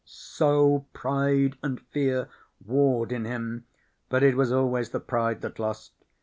So pride and fear warred in him, but it was always the pride that lost.